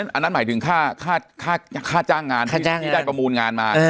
อันนั้นหมายถึงค่าจ้างงานที่ได้ประมูลงานมา